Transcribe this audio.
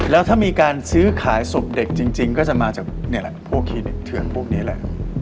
แล้วถ้ามีการซื้อขายศพเด็กจริงก็จะมาจากนี่แหละพวกคลินิกเถื่อนพวกนี้แหละครับ